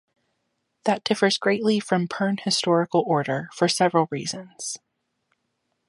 That differs greatly from Pern historical order, for several reasons.